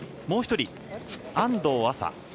もう１人、安藤麻。